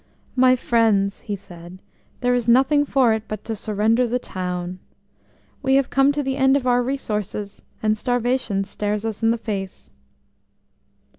"My friends," he said, "there is nothing for it but to surrender the town.... We have come to the end of our resources, and starvation stares us in the face."